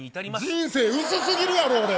人生薄すぎるやろ。